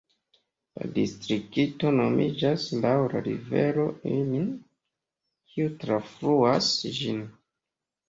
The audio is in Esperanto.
La distrikto nomiĝas laŭ la rivero Ilm, kiu trafluas ĝin.